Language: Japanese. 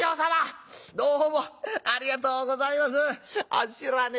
あっしらね